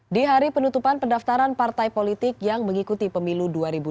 di hari penutupan pendaftaran partai politik yang mengikuti pemilu dua ribu dua puluh